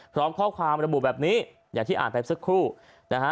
พร้อมข้อความระบุแบบนี้อย่างที่อ่านไปสักครู่นะฮะ